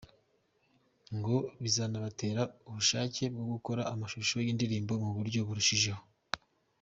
Ngo bizanabatera ubushake bwo gukora amashusho y’indirimbo mu buryo burushijeho.